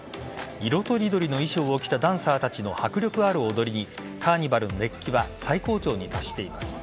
色とりどりの衣装を着たダンサーたちの迫力ある踊りにカーニバルの熱気は最高潮に達しています。